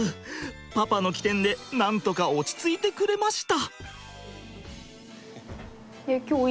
パパの機転でなんとか落ち着いてくれました。